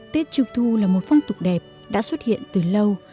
tết trung thu là một phong tục đẹp đã xuất hiện từ lâu